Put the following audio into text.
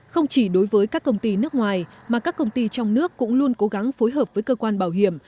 không chỉ đối với các công ty nước ngoài mà các công ty trong nước cũng luôn cố gắng phối hợp với cơ quan bảo hiểm